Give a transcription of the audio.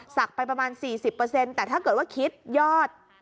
ไปประมาณ๔๐แต่ถ้าเกิดว่าคิดยอด